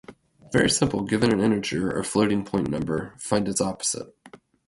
Very simple, given an integer or a floating-point number, find its opposite.